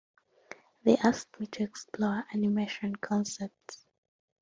They asked me to explore animation concepts.